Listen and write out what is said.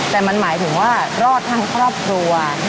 แต่มันหมายถึงว่ารอดทั้งครอบครัว